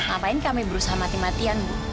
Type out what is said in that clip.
ngapain kami berusaha mati matian bu